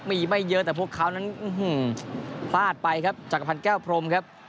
มีไม่เยอะแต่พวกเขานั้นพลาดไปครับจักรพันธ์แก้วพรมครับ